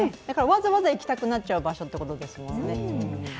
わざわざ行きたくなっちゃう場所ということですもんね